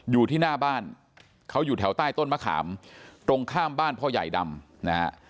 อยู่ที่หน้าบ้านเขาอยู่แถวใต้ต้นมะขามตรงข้ามบ้านพ่อใหญ่ดำนะฮะ